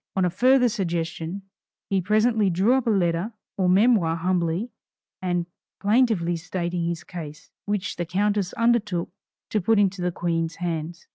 On a further suggestion, he presently drew up a letter or memoir humbly and plaintively stating his case, which the countess undertook to put into the Queen's hands.